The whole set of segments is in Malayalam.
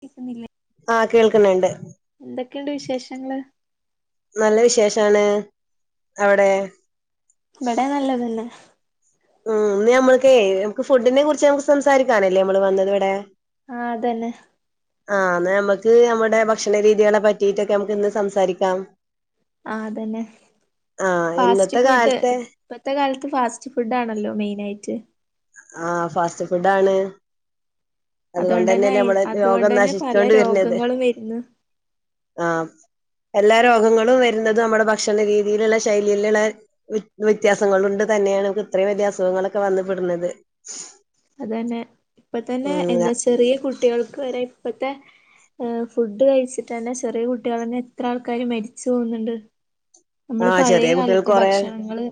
കേക്കുന്നില്ലേ ആഹ് കേൾക്കുന്നുണ്ട് എന്തൊക്കെയുണ്ട് വിശേഷങ്ങള്? നല്ല വിശേഷാണ് അവിടെ? ഇവിടെ നല്ലതല്ലെ ഉം ഇന്ന് ഞമ്മുക്കെ നമുക്ക് ഫുഡിനെ കുറിച്ച് നമുക്ക് സംസാരിക്കാനല്ലേ നമ്മള് വന്നത് ഇവിടെ ആഹ് അതന്നെ. ആഹ് എന്ന നമുക്ക് നമ്മുടെ ഭക്ഷണ രീതികളെ പറ്റിയിട്ടൊക്കെ നമുക്ക് ഇന്ന് സംസാരിക്കാം. ആഹ് അതന്നെ ആഹ് ഫാസ്റ്റ് ഇന്നത്തെ ഫുഡ് കാലത്തെ ഇപ്പത്തെ കാലത്ത് ഫാസ്റ്റ് ഫുഡ്ഡാണല്ലോ മെയ്നായിറ്റ് ആഹ് ഫാസ്റ്റ് ഫുഡ്ഡാണ് അതുകൊണ്ട് തന്നെ അതുകൊണ്ടെന്നെല്ലേ നമ്മളെ അതുകൊണ്ട് ലോകം തന്നെ പല നശിച്ചോണ്ട് വെര്നത് രോഗങ്ങളും വരുന്നു ആഹ് എല്ലാ രോഗങ്ങളും വരുന്നത് നമ്മുടെ ഭക്ഷണ രീതിയിലുള്ള ശൈലിയിലുള്ള വ്യത്യാസങ്ങളൾ കൊണ്ട് തന്നെയാണ് നമുക്ക് ഇത്രയും വല്യ അസുഖങ്ങളൊക്കെ വന്ന പെടുന്നത് അതന്നെ. ഇപ്പ തന്നെ എന്താ ചെറിയ കുട്ടികൾക്ക് വരെ ഇപ്പത്തെ ഫുഡ് കഴിച്ചിട്ട് തന്നെ ചെറിയ കുട്ടികൾ തന്നെ എത്ര ആൾക്കാര് മരിച്ചു പോകുന്നുണ്ട് നമ്മള് ആഹ് പഴയ ചെറിയ കുട്ടികൾക്ക് കാലത്തെ കൊറേ ഭക്ഷണങ്ങള്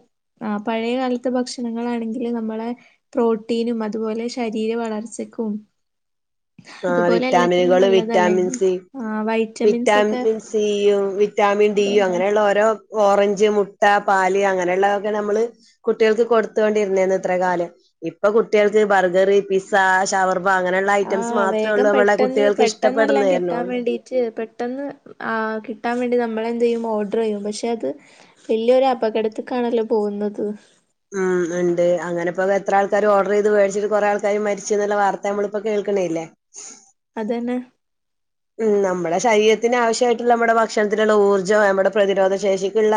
ആഹ്. പഴയ കാലത്തെ ഭക്ഷണങ്ങളാണെങ്കില് നമ്മളെ പ്രോട്ടീനും അതുപോലെ ശരീര വളർച്ചക്കും ആഹ് അതുപോലെ എല്ലാത്തിനും വിറ്റാമിനുകള് വിറ്റാമിൻ നല്ലതല്ലായിരുന്നു. സി ആ വൈ വിറ്റാമിൻ സിയും വിറ്റാമിൻ ഡിയും അതന്നെ അങ്ങനെയുള്ള ഓരോ ഓറഞ്ച് മുട്ട പാല് അങ്ങനെയുള്ളതൊക്കെയാണ് നമ്മള് കുട്ടികൾക്ക് കൊടുത്തോണ്ടിരുന്നെരുന്നു ഇത്രേം കാലം. ഇപ്പൊ കുട്ടികൾക്ക് ബർഗർ പിസ്സ ഷവർമ അങ്ങനെയുള്ള ഐറ്റംസ് ആഹ് മാത്രേ ഉള്ളൂ വേഗം നമ്മളെ പെട്ടെന്ന് കുട്ടികൾക്ക് പെട്ടെന്നെല്ലാം കിട്ടാം ഇഷ്ടപ്പെടുന്നേരുന്നുള്ളൂ വേണ്ടീട്ട് പെട്ടെന്ന് ആഹ് കിട്ടാൻ വേണ്ടി നമ്മള് എന്തെയ്യും ഓർഡർ ചെയ്യും പക്ഷെ അത് വല്യൊരു അപകടത്തിക്കാണല്ലോ പോകുന്നത്. ഉം ഉണ്ട് അങ്ങനെപ്പൊ എത്ര ആൾക്കാര് ഓർഡർ വേടിച്ചിട്ട് കൊറെ ആൾക്കാര് മരിച്ച എന്നുള്ള വാർത്ത നമ്മളിപ്പോ കേൾക്കണേല്ലേ. അതന്നെ ഉം നമ്മുടെ ശരീരത്തിന് ആവശ്യമായിട്ടുള്ള നമ്മുടെ ഭക്ഷണത്തിനുള്ള ഊർജ്ജം നമ്മുടെ പ്രതിരോധ ശേഷിക്കുള്ള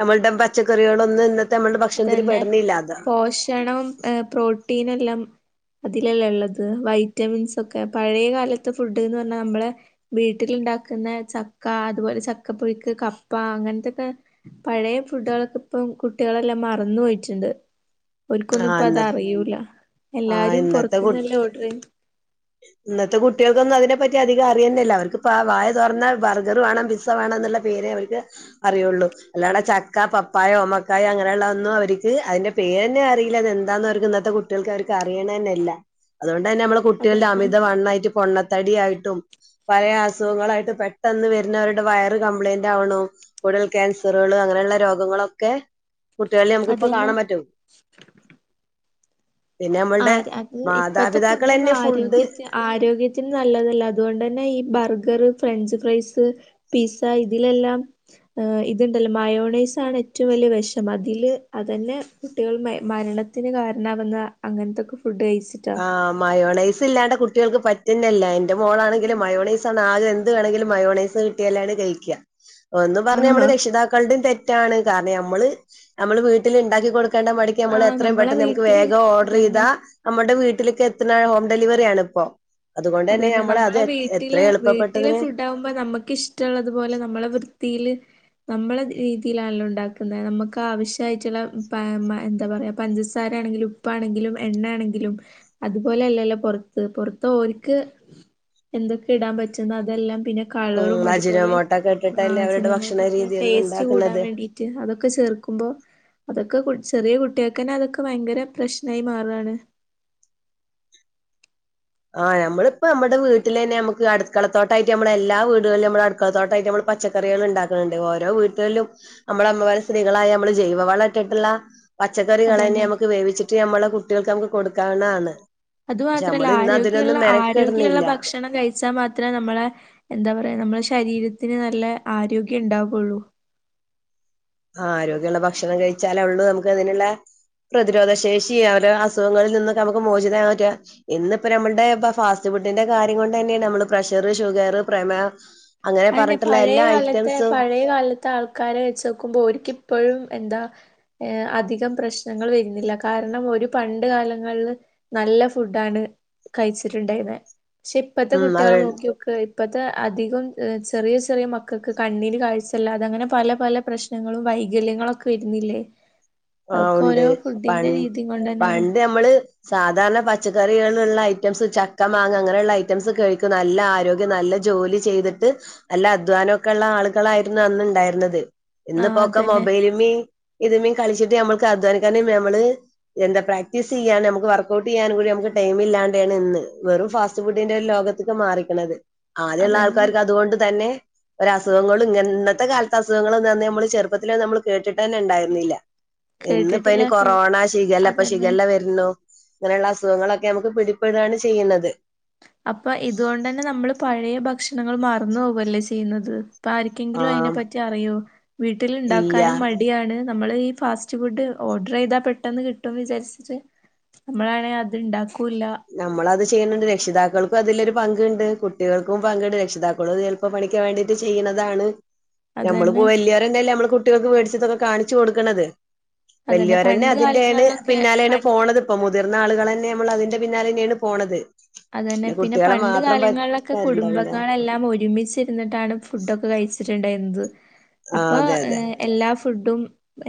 നമ്മളുടെ പച്ചക്കറികളൊന്നും ഇന്നത്തെ നമ്മളുടെ ഭക്ഷണത്തിന് അതന്നെ പെടുന്നില്ലാ അതാ പോഷണം ഏ പ്രോട്ടീനെല്ലാം അതിലല്ലേ ഒള്ളത്. വൈറ്റമിൻസ് ഒക്കെ പഴയ കാലത്തെ ഫുഡ്ന്ന് പറഞ്ഞാ നമ്മളെ വീട്ടിലുണ്ടാക്കുന്ന ചക്ക അതുപോലെ ചക്കപ്പുഴക്ക് കപ്പ അങ്ങനത്തെക്കെ പഴയ ഫുഡ്കളൊക്കെ ഇപ്പം കുട്ടികളെല്ലാം മറന്നു പോയിട്ടുണ്ട്. ആ ഓൽക്കൊന്നും ഇപ്പ ഇന്ന അതറിയൂല. ആ എല്ലാരും ഇന്നത്തെ കുട്ടി പുറത്തുന്നല്ലേ ഓർഡർ ചെയ്യും ഇന്നത്തെ കുട്ടികൾക്കൊന്നും അതിനെ പറ്റി അധികം അറിയുന്നില്ല. അവർക്ക്പ്പ പ വായ തുറന്ന ബർഗർ വേണം പി സ വെണെന്നുള്ള പേരെ അവർക്ക് അറിയുള്ളൂ. അല്ലാടെ ചക്ക പപ്പായ ഓമക്കായ അങ്ങനെയുള്ള ഒന്നും അവർക്ക് അതിന്റെ പേര്ന്നെ അറിയില്ല അത് എന്താന്ന് അവർക്ക് ഇന്നത്തെ കു ട്ടികൾക്ക് അവർക്ക് അറിയണ തന്നല്ല. അതുകൊണ്ട് തന്നെ നമ്മള് കുട്ടികളുടെ അതന്നെ അമിതവണ്ണായിട്ട് പൊണ്ണത്തടി ആയിട്ടും പല അസുഖങ്ങളായിട്ട് പെട്ടെന്ന് വരുന്നവരുടെ വയറ് കംപ്ലൈന്റ് ആവണു. കുടൽ ക്യാൻസറുകള് അങ്ങനെയുള്ള രോഗങ്ങളൊക്കെ കുട്ടികളിൽ നമുക്ക് ഇപ്പൊ അതന്നെ കാണാൻ പറ്റും പിന്നെ നമ്മളുടെ ആഹ് അത് ഇപ്പത്തെ ഫുഡ് മാതാപിതാക്കൾ ഒന്നും തന്നെ ഫുഡ് ആരോഗ്യ ആരോഗ്യത്തിന് നല്ലതല്ല. അതുകൊണ്ടന്നെ ഈ ബർഗർ ഫ്രഞ്ച് ഫ്രൈസ് പിസ്സ ഇതിലെല്ലാം ഏ ഇത്ണ്ടല്ലോ. മയോണൈസാണെറ്റും വല്യ വെഷം. അതില് അതന്നെ കുട്ടികൾ മരണത്തിന് കാരണാവുന്ന അങ്ങൻത്തെക്കെ ഫുഡ് കഴിച്ചി ആഹ്. മയോണൈസ് ല്ലാണ്ട കുട്ടികൾക്ക് പറ്റുന്നല്ല. ഇന്റെ മോളാണെങ്കില് ഉം മയോണൈസ് സണാദ്യം എന്ത് വേണെങ്കിലും മയോണൈസ് കിട്ടിയാലാണ് കഴിക്കുക. ഒന്ന് പറഞ്ഞ നമ്മുടെ ആഹ് രക്ഷിതാക്കളുടെ തെ റ്റാണ്. കാരണഞമ്മള് ഞമ്മള് വീട്ടില്ണ്ടാക്കി കൊടുക്കേണ്ട മടി ത് ആ നമ്മള് എത്രയും നമ്മളെ പെട്ടെന്ന് നമുക്ക് വീട്ടില് വേഗം ഓർഡർ അതന്നെ ചെയ്താ നമ്മുൾടെ വീട്ടിൽക്കെത്ത്‌ണ ഹോം ഡെലിവറി ആണിപ്പോ. അത് അതെ, നമ്മളെ വീട്ടിലെ വീട്ടിലെ എളുപ്പപ്പെട്ടതിന് ഫുഡാകുമ്പോ നമ്മക്കിഷ് റ്റ്ള്ളതുപോലെ നമ്മളെ വൃത്തിയില് നമ്മള രീതിയിലാണല്ലോണ്ടാക്കുന്നത്. നമുക്ക് ആവിശ്യയിട്ടുള്ള പാ മ എന്താ പറയാ പഞ്ചസാര ആണെങ്കിലും ഉപ്പാണെങ്കിലും എണ്ണേണെങ്കിലും അതുപോലെല്ലല്ലോ പൊറത്ത് പൊറത്തോ ഓൽ ക്ക് എന്തൊക്കെ ഇടാൻ പറ്റുന്ന അതെല്ലാം പിന്നെ കളറും ഉം അതുപോലെ അജിനോമോട്ടൊക്കെ ആ ഇട്ടിട്ടല്ലേ അവരുടെ ഭക്ഷണ അജിനോമോട്ടൊക്കെ രീതികൾ ടേസ്റ്റ് കൂടാൻ ഉണ്ടാക്കുന്നത് വേണ്ടി റ്റ് അതൊക്കെ ചേർക്കുമ്പോ അതൊക്കെ കു ചെറിയ കുട്ടിയേക്കന്നെ അതൊക്കെ വയങ്കര പ്രശ്നായി മാറാണ് ആഹ് നമ്മളിപ്പോ നമ്മടെ വീട്ടിലെന്നെ നമ്മക്ക് അടുക്കളത്തോട്ടായിട്ട് നമ്മടെ എല്ലാ വീടുകളില് നമ്മളടുക്കളത്തോട്ടായിട്ട് നമ്മള് പച്ചക്കറികള്ണ്ടാക്ക്ണ് ണ്ട് ഓരോ വീട്ടുകളിലും നമ്മളമ്മമാര് സ്ത്രീകളായ നമ്മള് ജൈവവളട്ടിട്ട്ള്ള പച്ചക്കറികളെയെന്നെ അതന്നെ നമക്ക് വേവിച്ചിട്ട് നമ്മളെ കുട്ടിയള്ക്ക് നമുക്ക് കൊടുക്കാവുന്നതാണ് അതു പക്ഷെ മാത്രല്ല നമ്മള് ഇന്ന് ആരോഗ്യള്ള അതിനൊന്നും ആരോഗ്യള്ള മെനക്കെടുന്നില്ല ഭക്ഷണം കഴിച്ചാ മാത്രേ നമ്മളെ എന്താ പറയാ നമ്മളെ ശരീരത്തിന് നല്ല ആരോഗ്യണ്ടാവുള്ളൂ ആരോഗ്യള്ള ഭക്ഷണം കഴിച്ചാല ഉള്ളൂ നമുക്കതിന്ള്ള പ്രതിരോധശേഷി ഓരോ അസുഖങ്ങളിൽ നിന്നൊക്കെ നമുക്ക് മോചിതനാവാൻ പറ്റ്യ ഇന്നിപ്പ നമ്മള്ടെ പ ഫാസ്റ്റ് ഫുഡിന്റെ കാര്യം കൊണ്ടന്നെണ് നമ്മള് പ്രഷറ് ഷുഗറ് പ്രമേഹ അങ്ങനെ പർഞ്ഞിട്ടുള്ള എല്ലാ ഐറ്റംസും ത്തെ ആൾക്കാരെ വെച്ചോക്കുമ്പോ ഓര്ക്കിപ്പഴും എന്താ ഏ അധികം പ്രശ്നങ്ങൾ വരുന്നില്ല കാരണം ഓര് പണ്ട് കാലങ്ങൾല് നല്ല ഫുഡ്ഡാണ് കയിച്ചിട്ടുണ്ടായിന്നേ ക്ഷെ ഇപ്പത്തെ ഉം കുട്ട്യാളെ അവര് നോക്കിയോക്ക് ഇപ്പത്തെ അധികും ചെറിയ ചെറിയ മക്കക്ക് കണ്ണിന് കാഴ്ചല്ലാതെ അങ്ങനെ പല പല പ്രശ്നങ്ങളും വൈകല്യങ്ങളൊക്കെ വെരുന്നില്ലേ [inaudible] ആഹ് ഉണ്ട് പ രീതിയും കൊണ്ടന്നെയാണ് പണ്ട് ഞമ്മള് സാധാരണ പച്ചക്കറികളുള്ള ഐറ്റംസ് ചക്ക മാങ്ങ ഇങ്ങനെള്ള ഐറ്റംസ് കഴിക്കും നല്ല ആരോഗ്യം നല്ല ജോലി ചെയ്തിട്ട് നല്ല അധ്വാനൊക്കെള്ള ആളുകളായിരുന്നു അന്നുണ്ടായിരുന്നത് ആഹ് ഇന്നിപ്പൊക്കെ അതന്നെ മൊബൈലിമ്മീം ഇതമ്മീം കളിച്ചിട്ട് ഞമ്മക്ക് അധ്വാനിക്കാന് നമ്മള് എന്താ പ്രാക്ടീസിയ്യാന് നമുക്ക് വർക്ക്ഔട്ടിയ്യാനും കൂടി നമുക്ക് ടൈമില്ലാണ്ടേണ് ഇന്ന് വെറും ഫാസ്റ്റ് ഫുഡിന്റെ ലോക ത്ത്ക്ക് മാറിക്ക്ണത് അതന്നെ ആദ്യള്ളാൾക്കാർക്ക് അതുകൊണ്ട് തന്നെ ഒരസുഖങ്ങളും ഇങ്ങ ഇന്നത്തെ കാലത്തെ അസുഖങ്ങളൊന്നും അന്ന് ഞമ്മള് ചെറുപ്പത്തിലന്നും നമ്മള് കേട്ടിട്ടെന്നെണ്ടായിരുന്നില്ല കേട്ടിട്ടില്ല ഇന്ന്പ്പയ്ന് കേ കൊറോണ ശിഖല്ല ഇപ്പൊ അതന്നെ ശിഖല്ല വരണു ങ്ങനെയുള്ള അസുഖങ്ങളൊക്കെ നമുക്ക് പിടിപ്പെടാണ് ചെയ്യുന്നത് അപ്പൊ ഇതുകൊണ്ടെന്നെ നമ്മള് പഴയ ഭക്ഷണങ്ങള് മറന്നു പോവല്ലേ ചെയ്യുന്നത് ഇപ്പാരിക്കെങ്കിലും ആഹ് അയിനെപ്പറ്റി അറിയോ ഇല്ല വീട്ടില്ണ്ടാക്കാനും മ ടിയാണ് നമ്മള് ഈ ഫാസ്റ്റ് ഫുഡ് ഓർഡറയ്താ പെട്ടെന്ന് കിട്ടുന്ന് വിചാരിച്ചിട്ട് നമ്മളാണെ അത്ണ്ടാക്കൂല്ല നമ്മളത് ചെയ്യുന്നുണ്ട് രക്ഷിതാക്കൾക്കും അതിലൊരു പങ്കുണ്ട് കുട്ടികൾക്കും പങ്കുണ്ട് രക്ഷിതാക്കളും അത് പ്പ പണിക്ക് വേണ്ടിട്ട് ചെയ്ണതാണ് [inaudible] നമ്മളിപ്പോ വല്ല്യോരന്നെയല്ലേ നമ്മള് കുട്ടികൾക്ക് വേടിചിതൊക്കെ കാണിച്ചു കൊടുക്കണത് അതന്നെ വല്ല്യോരന്നെ പണ്ട് അതിന്റെണ് കാലങ്ങളിലൊക്കെ പിന്നാലേണ് പണ്ട് പോണത് പ്പൊ മുതിർന്ന ആളുകളന്നെ നമ്മളതിന്റെ പിന്നാലന്നേണ് പോണത് അതന്നെ പിന്നെ കുട്ടികളെ പണ്ട് മാത്രം കാലങ്ങളിലൊക്കെ പറ്റിക്കാറുണ്ടാവില്ല. കുടുംബങ്ങളെല്ലാം ഒരുമിച്ച് രുന്നിട്ടാണ് ഫുടൊക്കെ കഴിച്ചിട്ടുണ്ടായിരുന്നത് ആഹ് അപ്പൊ അതെ അതെ എല്ലാ ഫുഡും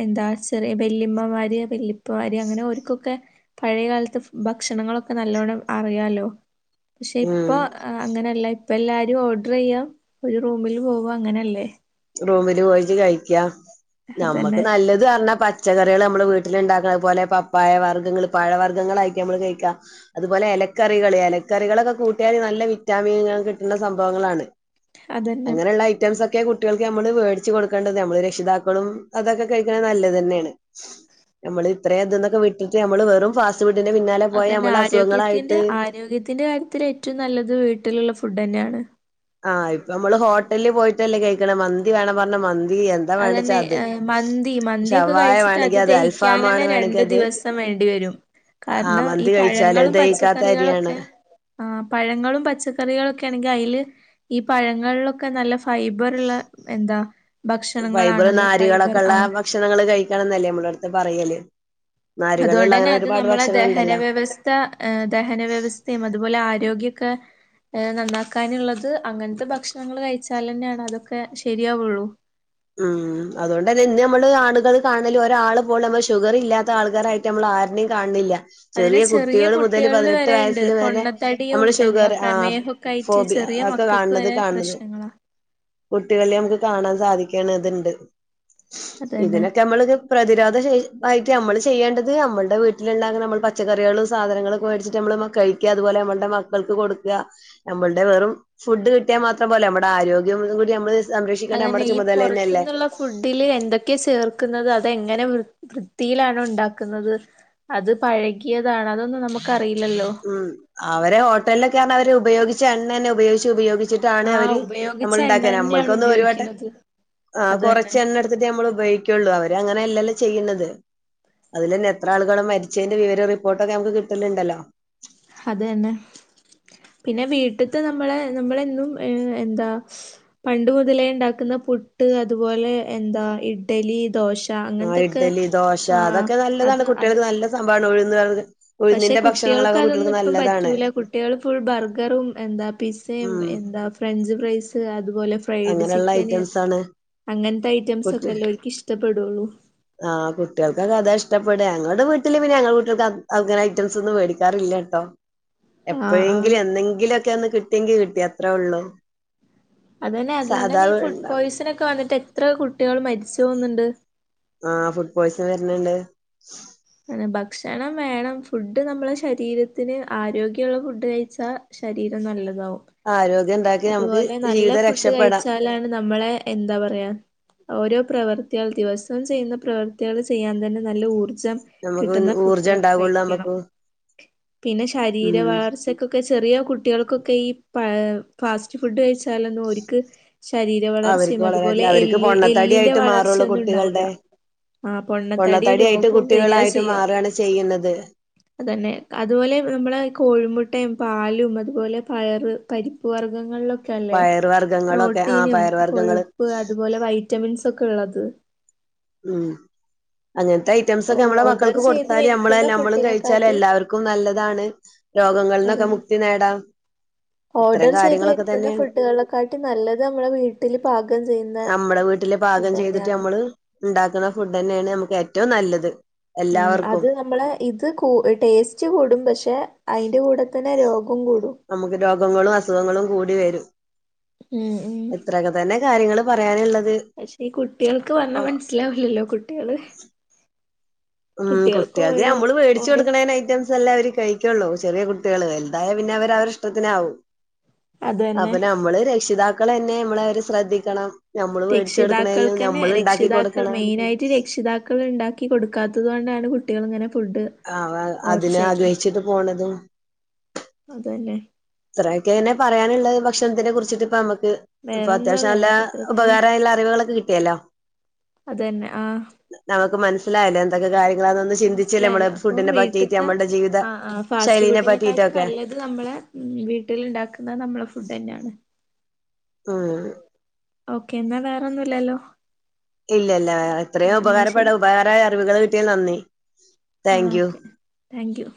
എന്താ ചെറിയ വല്ലിമ്മമാര് വല്ലിപ്പമാര് അങ്ങനെ ഓര്ക്കൊക്കെ പഴയകാലത്തെ ഭക്ഷണങ്ങളൊക്കെ നല്ലോണ്ണം അറിയാലോ പക്ഷെ ഇപ്പ ഉം അങ്ങനെയല്ല ഇപ്പ എല്ലാരും ഓർഡറിയ്യ ഒരു റൂമിൽ പോവ അങ്ങനല്ലേ റൂമില് പോയിട്ട് കയിക്ക നമ്മക്ക് അതന്നെ നല്ലത് ഇത്റഞ്ഞാ പച്ചക്കറികൾ നമ്മൾ വീട്ടിൽ ഇണ്ടാക്കണ അയ്പോലെ പപ്പായ വർഗ്ഗങ്ങൾ പഴവർഗ്ഗങ്ങളായിറ്റ് നമ്മള് കയിക്കാ അതുപോലെ എലക്കറികള് എലക്കറികളൊക്കെ കൂട്ടിയാല് നല്ല വിറ്റാമിനുക കിട്ടണ സംഭവങ്ങളാണ് അതന്നെ അങ്ങനെള്ള ഐറ്റംസ് ഒക്കെ കു ട്ട്യാൾക്ക് നമ്മള് വേടിച്ച് കൊടുക്കണ്ടത് നമ്മള് രക്ഷിതാക്കളും അതൊക്കെ കഴിക്കണ നല്ലതെന്നെണ് നമ്മള് ഇത്രേം ഇതിന്നൊക്കെ വിട്ടിട്ട് നമ്മള് വെറും ഫാസ് റ്റ് ഫുഡിന്റെ പിന്നലെ അതന്നെ ആരോഗ്യത്തിന്റെ ആരോഗ്യത്തിന്റെ കാര്യത്തില് ഏറ്റവും നല്ലത് വീട്ടിലുള്ള ഫുഡന്നെയാണ് ആഹ് ഇപ്പൊ നമ്മള് ഹോട്ടല് പോയിട്ടല്ലേ കഴിക്ണേ മന്തി വേണം പറഞ്ഞ മന്തി എ അതന്നെ എ മന്തി മന്തി ഒക്കെ ഷവായ കഴിച്ചിട്ട് വേണെങ്കി അത് ദഹിക്കാനന്നെ അൽഫാമാണ് വേണെങ്കി രണ്ടു അത് ദിവസം വേണ്ടിവരും. ആഹ് കാരണം ഈ മന്തി കഴിച്ചാല് പഴങ്ങളും ദഹിക്കാത്ത അരിയാണ് പച്ചക്കറിളൊക്കെ. ആ പഴങ്ങളും പച്ചക്കറികളൊക്കെ ആണെങ്ക് അല് ഈ പഴങ്ങൾ ഒക്കെ നല്ല ഫ് ഫൈബർള്ള എന്താ ഭക്ഷ ഫൈബർ നാര്കള് കളക്കെളേ ഭക്ഷണങ്ങള് കഴിക്കണംന്നല്ലേ നമ്മള അടുത്ത് പറയല്. നാര്കൾള്ള അങ്ങനെ ഒരുപാട് ഭക്ഷണം ഉണ്ടല്ലോ. ദ ഹ് ദഹന വ്യവസ്ഥയും അതുപോലെ ആരോഗ്യക്കെ എ നന്നാക്കാനുള്ളത് അങ്ങത്തെ ഭക്ഷണങ്ങള് കഴിച്ചാല് തന്നെയാണ് അതൊക്കെ ശരിയാവുള്ളൂ. ഉം അതുകൊണ്ട് തന്നെ ഇന്ന് നമ്മള് ആണ്കൾ കാണല് ഒരാള് പോലും നമ്മ ഷുഗർ ഇല്ലാത്ത ആളുകളെ ആൾക്കാരായിട്ട് റ്റ് നമ്മളെ ആര്നിം കാണില്ല. അതിനെ ചെറിയ കുട്ടികള് മുതല് കുട്ടികളിൽ പതിനെട്ട് വരെണ്ട് വയസ്സില് വരെ പൊണ്ണത്തടിയും നമ്മള് എന്താ ഷുഗർ ആ. പ്രമേഹൊക്കെ ആയിട്ട് ഫോബിയ ചെറിയ അ ഒക്കെ മക്കൾക്ക് കാണത് വരെ കാണത്. പ്രശ്നങ്ങളാ കുട്ടികല്ലേ നമുക്ക് കാണാൻ സാധിക്കണ്ത് ഇണ്ട് അതന്നെ ഇതിനൊക്കെ നമ്മള് ഒരു പ്രതിരോധ ശേഷി ആയിട്ട് നമ്മള് ചെയ്യേണ്ടത് നമ്മള്ടെ വീട്ടില്ളേ നമ്മൾ പച്ചക്കറികള് സാധനങ്ങളൊക്കെ മേടിച്ചിട്ട് നമ്മളെ മ കഴിക്യാ അതുപോലെ നമ്മളടെ മക്കൾക്ക് കൊടുക്കാ. നമ്മളുടെ വെറും ഫുഡ് കിട്ടിയാ മാത്രം പോലെ നമ്മുടെ ആരോഗ്യം കൂടി നമ്മള് സംരക്ഷിക്കേണ്ട നമ്മുടെ. ചുമതല തന്നെയല്ലേ പോറത്ത്ന്ന്ൾ ള ഫുഡില് എന്തൊക്കെ ചേർക്കുന്നത് അതെങ്ങനെ വൃ വൃത്തിയിലാണ് ഉണ്ടാക്കുന്നത്. അത് പഴകിയതാണ് അതൊന്നും നമുക്കറിയില്ലല്ലോ. ഉ അവരെ ഹോട്ടൽ ലൊക്കെ അവര് ഉപയോഗിച്ച് എണ്ണന്നെ ഉപയോഗിച്ച് ഉപയോഗി ച്ചിട്ടാണ് ആഹ് അവര് നമ്മൾ ഉപയോഗിച്ച എണ്ണ ഇണ്ടാക്ക തന്നെയാണ് നമ്മക്കൊന്നു ഒരു വട്ട ഉപയോഗിക്കുന്നത് ആ അത് തന്നെ കൊറച്ചന്നെ ഇ ത്തിട്ട് നമ്മള് ഉപയോഗുള്ളൂ അവരങ്ങനെയല്ലല്ലോ ചെയ്യുന്നത് അതിൽ തന്നെ എത്ര ആള്കള മരി ച്ചേന്റെ വിവര റിപ്പോട്ടക്കെ നമുക്ക് കിട്ടലുണ്ടല്ലോ. അത് ന്നെ പിന്നെ വീട്ടത്ത് നമ്മളെ നമ്മളന്നും ഏ എന്താ. പണ്ട് മുതലേ ഇണ്ടാക്കുന്ന പുട്ട് അതുപോലെ എന്താ ഇഡ്ഡലി ദോശ ആഹ് അങ്ങനത്തൊക്കെ ഇഡലി, ദോശ ആഹ് അതൊക്കെ അത് നല്ലതാണ്. അത് കുട്ടികൾക്ക് നല്ല സംഭവാണ് ഉഴ്ന്ന് അത് പക്ഷെ കുട്ടിൾക്ക് അതൊന്നും ഇപ്പം പറ്റൂല. കുട്ട്യേൾ ഫുൾ ബർഗറും എന്താ പിസ്സയും ഉം എന്താ.... ഫ്രഞ്ച് ഫ്രൈസ്, അതുപോലെ ഫ്രൈഡ് അങ്ങനെയുള്ള ചിക്കന് ഐറ്റംസ് ആണ് അങ്ങൻത്തെ ഐറ്റംസ് കുട്ടി ഒക്കെ അല്ലെ ഒൽക്ക് ഇഷ് ടപ്പെടൊള്ളു. ആഹ് കുട്ട്യൾക്കൊക്കെ അതാ ഇഷ്ടപ്പെടാ. ഞങ്ങൾടെ വീട്ടില് പിന്നെ ഞങ്ങൾ കുട്ട്യൾക്ക് അത് അങ്ങനെ ഐറ്റംസ് ഒന്നും വേടിക്കാറില്ലട്ടൊ. [inaudible] ആഹ് ആഹ് എപ്പഴെങ്കിലും എന്നെങ്കിലൊക്കെ ഒന്ന് കിട്ടിയെങ്കി കിട്ടി അത്രേ ഒള്ളു. അതെന്നെ. അതുകൊണ്ടെന്നെ ഈ ഫുഡ് പോയ്സൺ ഒക്കെ വന്നിട്ട് എത്ര കുട്ടികൾ മരിച്ചു പോന്ന്ണ്ട്. ആഹ് ഫുഡ് പോയ്സ് വെര്ന്ണ്ട്. അതന്നെ. ഭക്ഷണം വേണം. ഫുഡ് നമ്മളെ ശരീരത്തിന് ആരോഗ്യള്ള ഫുഡ് കഴിച്ചാ.... ശരീരം നല്ലതാവും. ആരോഗ്യം ണ്ടാക്കി നമുക്ക് ജീവിതം രക്ഷപ്പെടാം. ല്ലാണ്ട് നമ്മളെ എന്താ പറയാ ഓരോ പ്രവർത്തികൾ ദിവസവും ചെയ്യുന്ന പ്രവർത്തികള് ചെയ്യാൻ തന്നെ നല്ല ഊർജം..... നമുക്ക് കിട്ട്ന്ന ഫുഡ് ഊർജ്ജം വ ഉണ്ടാവുള്ളൂ കഴിക്കണം. നമുക്ക് പിന്നെ ശരീര ഉം വളർച്ചക്കൊ ക്കെ ചെറിയ കുട്ടികൾക്കൊക്കെ ഈ പ ഫാസ്റ്റ് ഫുഡ് കഴിച്ചാലൊന്നും ഒര്ക്ക് ശരീര വളർച്ചയും, അവർക്ക് അതുപോലെ എല്ല്, എല്ലിന്റെ മാറുള്ളൂ വളർച്ചയൊന്നും ഉണ്ടാവൂല കുട്ടികൾടെ, ആ പൊണ്ണത്തടിയും പൊണ്ണത്തടി ആയിട്ട് രോഗവും വരിക കുട്ടികളായിട്ട് ചെയ്യാ മാറാണ് ചെയ്യുന്നത്. അതന്നെ. അതുപോലെ നമ്മളെ കോഴിമുട്ടെയും, പാലും അതുപോലെ പയറ്, പരി പ്പ് വർഗ്ഗങ്ങൾലൊക്കെ അല്ലെ പയർ വർഗ്ഗങ്ങളൊക്കെ ആ പ്രോട്ടീനും, പയർ കൊഴു വർഗ്ഗങ്ങള് പ്പ്, അതുപോലെ വൈറ്റമിൻസൊക്കെള്ളത്. ഉം അങ്ങൻത്തെ അപ്പൊ ഐറ്റംസൊക്കെ അമ്മളെ ഓർഡർ മക്കൾക്ക് ചെയ്ത് കൊട്ത്താല് വരുത്തുന്ന അമ്മളെന്നെ അമ്മളും കഴിച്ചാല് ഫുഡിനെക്കാട്ടി എല്ലാവർക്കും നല്ലതാണ്. രോഗങ്ങൾന്നൊക്കെ അതന്നെ മുക്തി നേടാം. ഇത്തരം ഓർഡർ ചെയ്ത് കാര്യങ്ങളൊക്കെ വെര്ത്ത്ന്ന തന്നെയാണ് ഫുഡ്കളെക്കാട്ടിം നല്ലത് നമ്മളെ വീട്ട്‌ല് പാകം ചെയ്യുന്ന ട്ടില് ഫുഡ് പാകം ചെയ്തിട്ട് തന്നെയാണ് അമ്മള് ണ്ടാക്ക്ണ ഫുഡെന്നേണ് അമുക്ക് ഏറ്റവും നല്ലത്. ഉം. എല്ലാവർക്കും അത് നമ്മളെ ഇത് ക്കൂ ടേസ്റ്റ് കൂടും. പക്ഷെ അയിന്റെ കൂടെ തന്നെ രോഗം കൂടും. നമുക്ക് രോഗങ്ങളും, അസുഖങ്ങളും കൂടി വരും. ഉം ഉം എത്ര.... അതന്നെ കാര്യങ്ങള് പറയാന്ള്ളത്. പക്ഷെ ഈ കുട്ടികൾക്ക് പർഞ്ഞാ മൻസ്സിലാവൂല്ലൊ. കുട്ടികള് ഉം. കുട്ടി കുട്ടികൾക്ക് അത് ഓരോ അമ്മള് വേടിച്ചൊ ഓരോ ട്ക്ക്ണേന് ഐറ്റംസ് എല്ലാം അവര് കഴി.... ക്കൊള്ളൂ ചെറിയ കുട്ടികള്. വെൽതായ പിന്നെ അവര് അവരെ ഇഷ്ടത്തിനാവും. അതന്നെ അപ്പൊ നമ്മള് രക്ഷിതാക്കളെന്നെ അമ്മളെ അവരെ ശ്രദ്ധിക്കണം. നമ്മള് മേടിച്ചു കൊടുക്കണേലും രക്ഷിതാക്കൾക്കെന്നെ നമ്മള് ഉണ്ടാക്കി രക്ഷിതാക്കൾ കൊടുക്കണം. മെയിനായിട്ട് രക്ഷിതാ.... ക്കൾ ണ്ടാക്കി കൊടുക്കാത്തത് കൊണ്ടാണ് കുട്ടികൾ ഇങ്ങനെ ഫുഡ് ആഹ് വാഹ് ഓർഡർ അതിനെ ചെയ്യുന്നത് ആഗ്രഹിച്ചിട്ട് പോണതും അതെന്നെ. ഇത്രയൊക്കെ തന്നെ പറയാന്ള്ളത്. ഭക്ഷണത്തിനെ കുറിച്ചിട്ട് ഇപ്പ അമ്മക്ക് ഇപ്പൊ വേറെന്താ അത്യാവശ്യം നല്ല വേറെ അത്ര തന്നെ ഉപകാരായുള്ള അറിവുകളൊക്കെ കിട്ടിയല്ലൊ. അതെന്നെ. ആഹ് നമുക്ക് മൻസ്.... അല്ലെ അതിൻ്റെ എന്തൊക്കെ കാര്യങ്ങളണൊന്ന് ചിന്തിച്ചില്ലെ നമ്മള്. മനസ്സിലായല്ലോ അപ്പം ഫുഡിനെ പറ്റിയിട്ട് വീട്ടിത്തെ അമ്മളുടെ ജീവിത ശൈലീനെ പറ്റിട്ടൊക്കെ. ത് നമ്മളെ വീട്ട്ല് ണ്ടാക്ക്ന്ന നമ്മളെ ഫുഡെന്നേണ്. ഉം ഓക്കെ എന്നാ വേറൊന്നും ഇല്ലല്ലൊ ഇല്ല ഇല്ല ഇത്രയും ശരി ഉപകാരപ്പെടും ഉപകാരായ അറിവുകള് കിട്ടിയത് നന്ദി ആഹ് thank you okay thank you